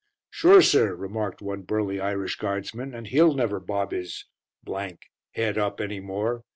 "Sure, sir," remarked one burly Irish Guardsman, "and he'll never bob his head up any more.